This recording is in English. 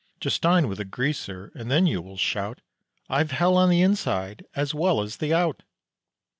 Just dine with a Greaser and then you will shout, "I've hell on the inside as well as the out!"